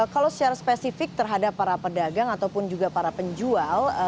kalau secara spesifik terhadap para pedagang ataupun juga para penjual